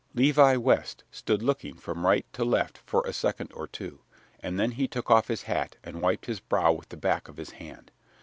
Levi West stood looking from right to left for a second or two, and then he took off his hat and wiped his brow with the back of his hand.